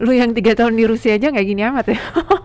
lu yang tiga tahun di rusia aja gak gini amat ya